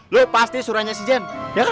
lu pasti surannya si zen